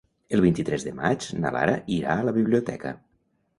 El vint-i-tres de maig na Lara irà a la biblioteca.